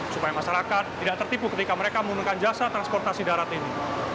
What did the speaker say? supaya masyarakat tidak tertipu ketika mereka menggunakan jasa transportasi darat ini